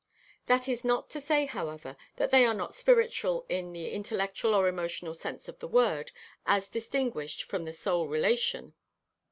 That is not to say, however, that they are not spiritual in the intellectual or emotional sense of the word, as distinguished from the soul relation.